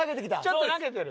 ちょっと投げてる？